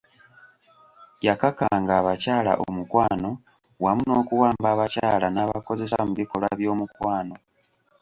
Yakakanga abakyala omukwano wamu n'okuwamba abakyala n'abakozesa mu bikolwa by'omukwano.